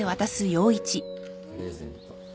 プレゼント